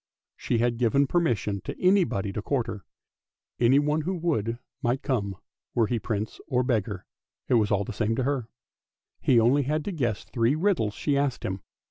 She had given permission to anybody to court her. Anyone who would might come, were he Prince or beggar — it was all the same to her; he only had to guess three riddles she asked him.